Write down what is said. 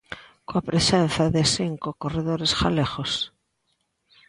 Coa presenza de cinco corredores galegos.